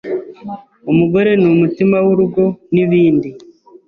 umugore ni umutima w’urugo n’ibindi.